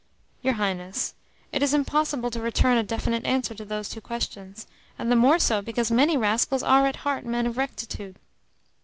"Your Highness, it is impossible to return a definite answer to those two questions: and the more so because many rascals are at heart men of rectitude.